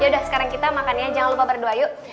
yaudah sekarang kita makan ya jangan lupa berdoa yuk